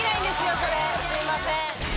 それすいません。